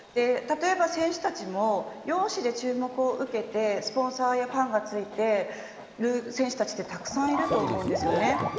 例えば選手たちも容姿で注目を受けてスポンサーやファンがついてる選手たちってたくさんいると思うんですよね。